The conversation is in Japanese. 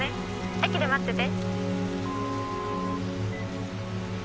☎「駅で待ってて」